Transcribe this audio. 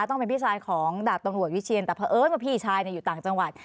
ต้องเป็นพี่ชายของดาบตำรวจวิเชียนแต่เพราะเอิญว่าพี่ชายอยู่ต่างจังหวัด